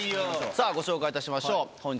さあ、ご紹介いたしましょう。